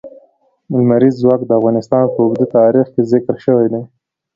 لمریز ځواک د افغانستان په اوږده تاریخ کې ذکر شوی دی.